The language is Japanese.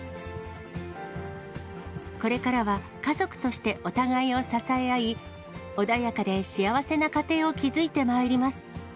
これからは家族としてお互いを支え合い、穏やかで幸せな家庭を築いてまいります。